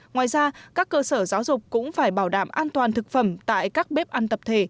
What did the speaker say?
ngoài ra các cơ sở giáo dục cũng phải bảo đảm an toàn thực phẩm tại các bếp ăn tập thể